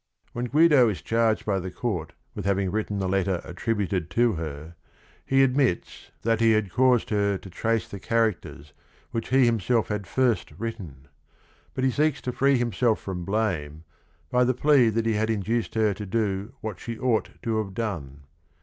When Guido is charged by the court with having written the letter attributed to her, he admits that he had caused her to trace the char COUNT GUIDO FRANCESCHINI 75 acters which he himself had first written, but he seeks to free himself from blame by the plea that he had induced her to do what she ought to have done.